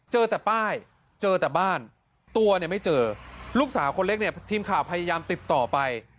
เจอแต่ป้ายเจอแต่บ้านตัวเนี่ยไม่เจอลูกสาวคนเล็กเนี่ยทีมข่าวพยายามติดต่อไป